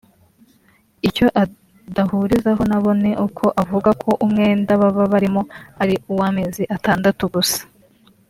Icyo adahurizaho na bo ni uko avuga ko umwenda babarimo ari uw’amezi atandatu gusa